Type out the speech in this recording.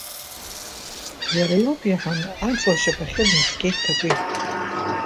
Иара иоуп, — иҳәан, аҵла ашьапахьы днаскьеит Ҭакәи.